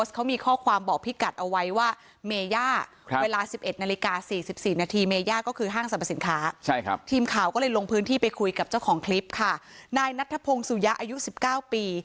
คลิปค่ะนายนัทธพงศ์สุยะอายุสิบเก้าปี